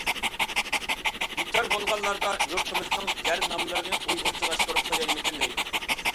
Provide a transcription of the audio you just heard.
بىكار بولغانلاردا يۇرتىمىزنىڭ ناملىرىنى ئۇيغۇرچىلاشتۇرۇپ قويايمىكىن دەيمەن.